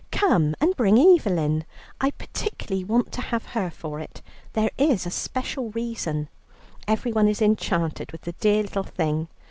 Come, and bring Evelyn. I particularly want to have her for it. There is a special reason. Everyone is enchanted with the dear little thing.